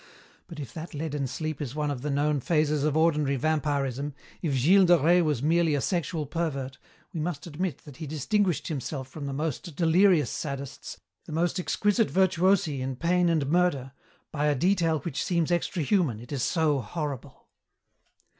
But if that leaden sleep is one of the known phases of ordinary vampirism, if Gilles de Rais was merely a sexual pervert, we must admit that he distinguished himself from the most delirious sadists, the most exquisite virtuosi in pain and murder, by a detail which seems extrahuman, it is so horrible.